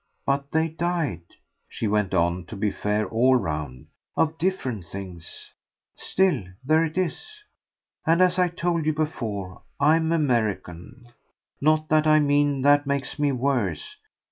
But they died," she went on, to be fair all round, "of different things. Still, there it is. And, as I told you before, I'm American. Not that I mean that makes me worse.